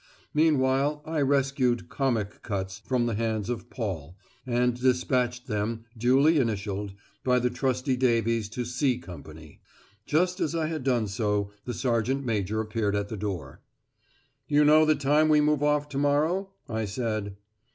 Meanwhile I rescued Comic Cuts from the hands of Paul, and despatched them, duly initialled, by the trusty Davies to "C" Company. Just as I had done so the sergeant major appeared at the door. "You know the time we move off to morrow?" I said.